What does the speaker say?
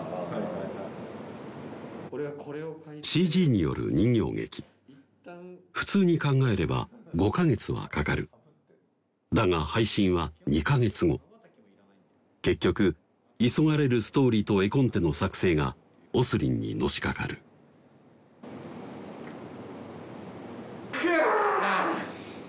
ＣＧによる人形劇普通に考えれば５か月はかかるだが配信は２か月後結局急がれるストーリーと絵コンテの作成がＯＳＲＩＮにのしかかるくわ！